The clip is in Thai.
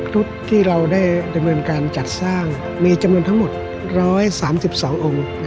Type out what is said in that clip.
ชุดที่เราได้ดำเนินการจัดสร้างมีจำนวนทั้งหมด๑๓๒องค์